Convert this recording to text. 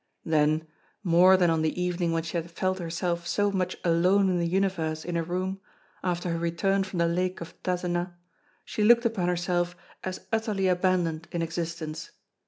Then, more than on the evening when she had felt herself so much alone in the universe in her room, after her return from the lake of Tazenat, she looked upon herself as utterly abandoned in existence.